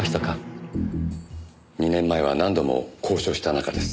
２年前は何度も交渉した仲です。